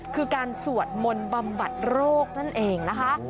คือการสวดมนต์บำบัดโรคนั่นเองนะคะ